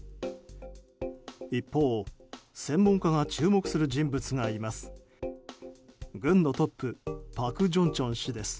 一方、専門家が注目する人物がいます。